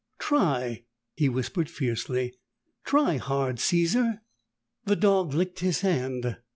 "Try!" he whispered fiercely. "Try hard, Caesar!" The dog licked his hand.